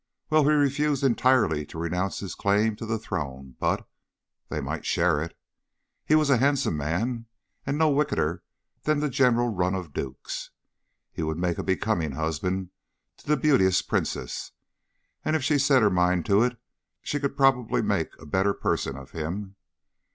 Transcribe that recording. Well, he refused entirely to renounce his claim to the throne, but they might share it. He was a handsome man and no wickeder than the general run of dukes; he would make a becoming husband to the beauteous princess, and if she set her mind to it she could probably make a better person of him.